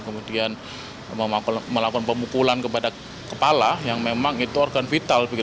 kemudian melakukan pemukulan kepada kepala yang memang itu organ vital